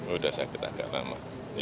udah sakit agak lama